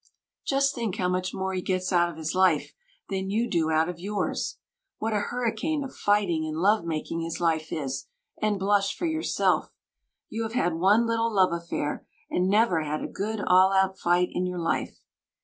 Just think how much more he gets out of his life than you do out of yours what a hurricane of fighting and lovemaking his life is and blush for yourself. You have had one little love affair, and never had a good, all out fight in your life!